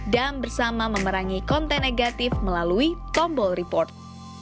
dan bersama memerangi konten negatif melalui tombol report